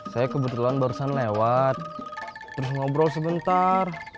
saya kebetulan barusan lewat terus ngobrol sebentar